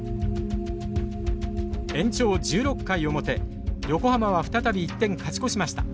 延長１６回表横浜は再び１点勝ち越しました。